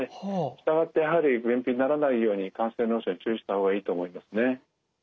従ってやはり便秘にならないように肝性脳症に注意した方がいいと思いますね。